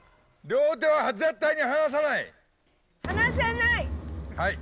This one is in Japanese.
両手を絶対に離さない。